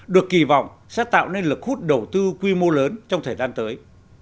được kỳ vọng sẽ tạo nên lực hút đầu tư quy mô lớn trong thời gian tới